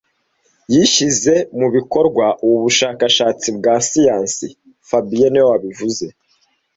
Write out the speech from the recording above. Yishyize mu bikorwa ubu bushakashatsi bwa siyansi fabien niwe wabivuze